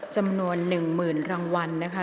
จำนวน๑๐๐๐รางวัลนะคะ